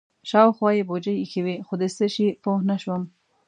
شاوخوا یې بوجۍ ایښې وې خو د څه شي نه پوه شوم.